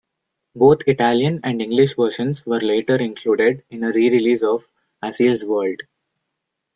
Both Italian and English versions were later included in a re-release of "Asile's World".